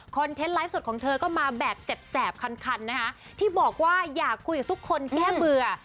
เทนต์ไลฟ์สดของเธอก็มาแบบแสบคันนะคะที่บอกว่าอยากคุยกับทุกคนแก้เบื่อ